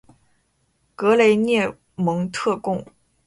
格雷涅蒙特贡。